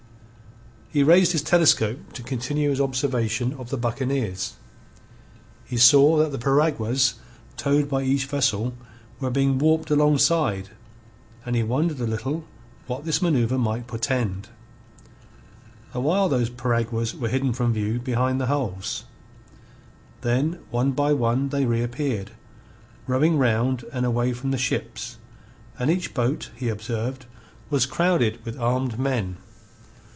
He raised his telescope to continue his observation of the buccaneers. He saw that the piraguas towed by each vessel were being warped alongside, and he wondered a little what this manoeuver might portend. Awhile those piraguas were hidden from view behind the hulls. Then one by one they reappeared, rowing round and away from the ships, and each boat, he observed, was crowded with armed men.